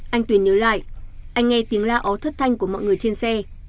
anh tuyền nhớ lại anh nghe tiếng la ấu thất thanh của mọi người trên xe